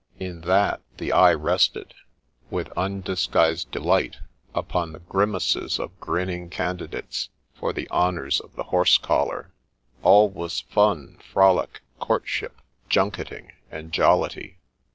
In that, the eye rested, 78 MRS. BOTHERBY'S STORY with undisguised delight, upon the grimaces of grinning can didates for the honours of the horse collar. All was fun, frolic, courtship, junketting, and jollity.